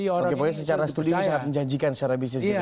oke pokoknya secara studi itu sangat menjanjikan secara bisnis gitu ya